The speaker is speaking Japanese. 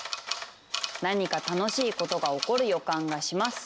「何か楽しいことが起こる予感がします。